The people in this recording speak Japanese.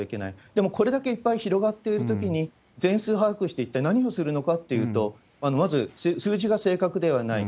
でも、これだけいっぱい広がっているときに、全数把握して一体何をするのかっていうと、まず数字が正確ではない。